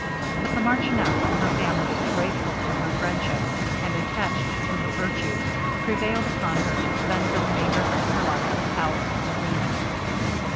But the marchioness and her family, grateful to her friendship, and attached to her virtues, prevailed upon her to spend the remainder of her life at the palace of Mazzini.